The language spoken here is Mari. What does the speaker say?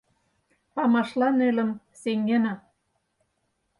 Памашла нелым сеҥена.